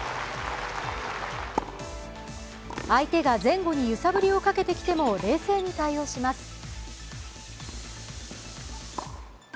相手が前後に揺さぶりをかけてきても、冷静に対応します。